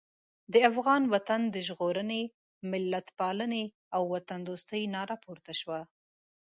د افغان وطن د ژغورنې، ملتپالنې او وطندوستۍ ناره پورته شوه.